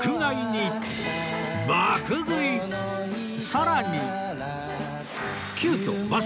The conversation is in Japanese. さらに